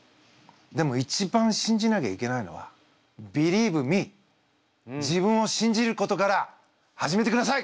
でも一番信じなきゃいけないのは自分を信じることから始めてください！